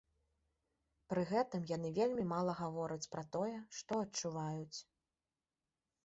Пры гэтым яны вельмі мала гавораць пра тое, што адчуваюць.